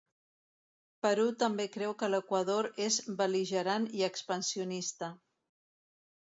Perú també creu que l'Equador és bel·ligerant i expansionista.